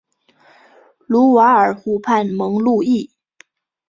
卢瓦尔河畔蒙路易。